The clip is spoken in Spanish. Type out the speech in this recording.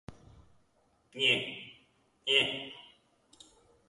Subió Dios con júbilo, Jehová con sonido de trompeta.